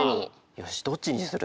よしどっちにする？